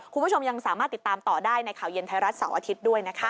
คุณผู้ชมยังสามารถติดตามต่อได้ในข่าวเย็นไทยรัฐเสาร์อาทิตย์ด้วยนะคะ